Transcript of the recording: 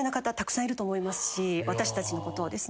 私たちのことをですね。